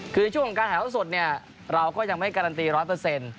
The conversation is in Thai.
คือช่วงของการถ่ายเท่าสดเนี่ยเราก็ยังไม่การันตีร้อยเปอร์เซ็นต์